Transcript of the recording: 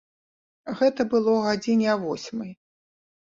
Гэта было гадзіне а восьмай.